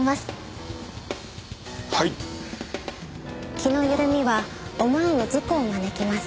気の緩みは思わぬ事故を招きます。